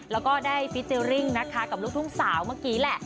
แล้วก็ได้ฟิเจอร์ริ่งนะคะกับลูกทุ่งสาวเมื่อกี้แหละ